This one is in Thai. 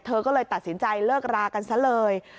เธอก็เลยตัดสินใจเลิกรากันซะเลย